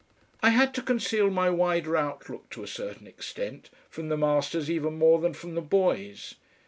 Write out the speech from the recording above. I had to conceal my wider outlook to a certain extent from the masters even more than from the boys.